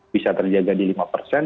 bisa terjaga di lima persen